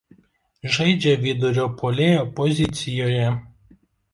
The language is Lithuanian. Žaidžia vidurio puolėjo pozicijoje.